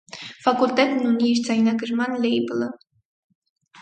Ֆակուլտետն ունի իր ձայնագրման լեյբլը։